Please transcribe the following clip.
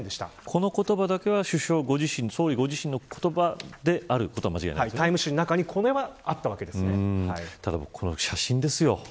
この言葉だけは総理ご自身の言葉であることはタイム誌の中にただ、この写真ですよ。